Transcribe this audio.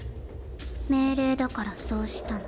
命令だからそうしたの。